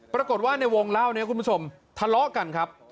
ปรากฏว่าในวงเล่านี้คุณผู้ชมทะเลาะกันครับ